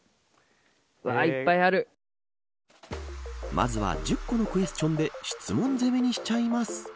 まずは１０個のクエスチョンで質問攻めにしちゃいます。